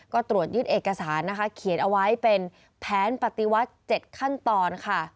ก็ตรวจยึดเอกสารนะคะเขียนเอาไว้เป็นแผนปฏิวัติ๗ขั้นตอนค่ะ